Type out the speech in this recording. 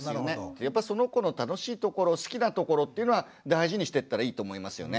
やっぱりその子の楽しいところ好きなところっていうのは大事にしてったらいいと思いますよね。